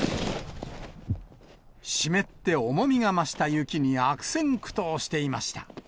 湿って重みが増した雪に、悪戦苦闘していました。